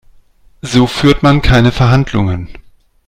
So führt man keine Verhandlungen.